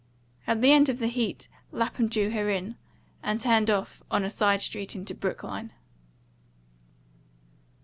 At the end of the heat Lapham drew her in, and turned off on a side street into Brookline.